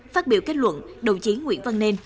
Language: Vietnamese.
phát biểu kết luận đồng chí nguyễn văn nên